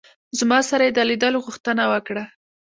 زما سره یې د لیدلو غوښتنه وکړه.